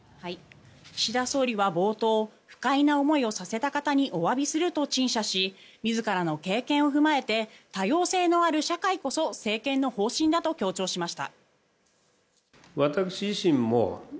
岸田総理は冒頭不快な思いをさせた方におわびすると陳謝し自らの経験を踏まえて多様性のある社会こそ政権の方針だと強調しました。